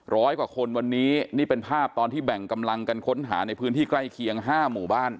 ร้อยกว่าคนวันนี้นี่เป็นภาพตอนที่แบ่งกำลังกันค้นหาในพื้นที่ใกล้เคียงห้าหมู่บ้าน